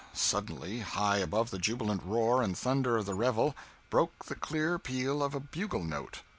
Suddenly, high above the jubilant roar and thunder of the revel, broke the clear peal of a bugle note.